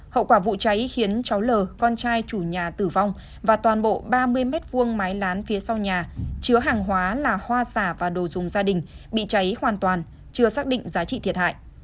hậu quả vụ cháy khiến cháu l con trai chủ nhà tử vong và toàn bộ ba mươi m hai mái lán phía sau nhà chứa hàng hóa là hoa xà và đồ dùng gia đình bị cháy hoàn toàn chưa xác định giá trị thiệt hại